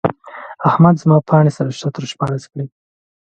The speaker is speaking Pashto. احمد زما پاڼې سره شرت او شپاړس کړې.